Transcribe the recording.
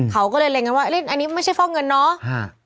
เขาก็เลยเล็งกันว่าเล่นอันนี้ไม่ใช่ฟอกเงินเนาะ